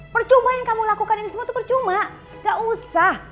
percuma yang kamu lakukan ini semua tuh percuma gak usah